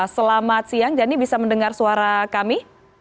selamat siang janny bisa mendengar suara kami